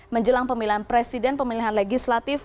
menjelang pemilihan presiden pemilihan legislatif